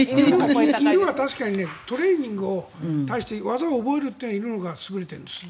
犬は確かにトレーニングをして技を覚えるのは、犬のほうが優れているんです。